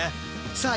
さあ